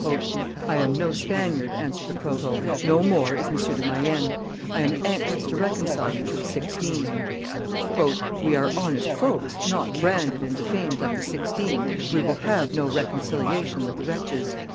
"I am no Spaniard," answered the provost; "no more is M. de Mayenne; I am anxious to reconcile you to the Sixteen." "We are honest folks, not branded and defamed like the Sixteen; we will have no reconciliation with the wretches."